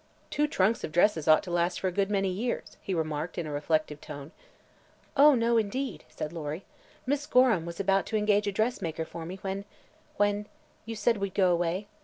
"Two trunks of dresses ought to last for a good many years," he remarked in a reflective tone. "Oh, no indeed," said Lory. "Miss Gorham was about to engage a dressmaker for me when when you said we'd go away.